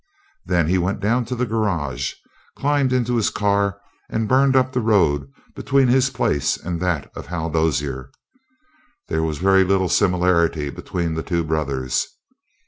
Then he went down to the garage, climbed into his car, and burned up the road between his place and that of Hal Dozier. There was very little similarity between the two brothers.